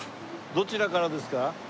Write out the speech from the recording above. どちらからですか？